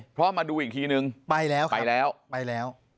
เพราะมาดูอีกทีนึงไปแล้ว